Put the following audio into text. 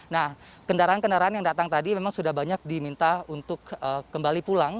nah kendaraan kendaraan yang datang tadi memang sudah banyak diminta untuk kembali pulang